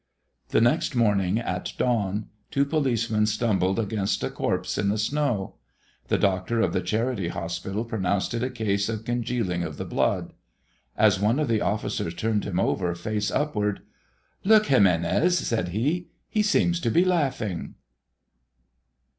The next morning, at dawn, two policemen stumbled against a corpse in the snow. The doctor of the charity hospital pronounced it a case of congealing of the blood. As one of the officers turned him over, face upward, "Look, Jiménez," said he; "he seems to be laughing."